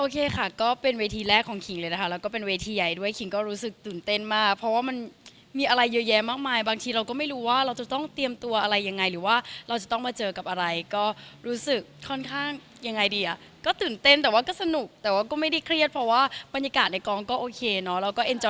ค่ะก็เป็นเวทีแรกของคิงเลยนะคะแล้วก็เป็นเวทีใหญ่ด้วยคิงก็รู้สึกตื่นเต้นมากเพราะว่ามันมีอะไรเยอะแยะมากมายบางทีเราก็ไม่รู้ว่าเราจะต้องเตรียมตัวอะไรยังไงหรือว่าเราจะต้องมาเจอกับอะไรก็รู้สึกค่อนข้างยังไงดีอ่ะก็ตื่นเต้นแต่ว่าก็สนุกแต่ว่าก็ไม่ได้เครียดเพราะว่าบรรยากาศในกองก็โอเคเนาะ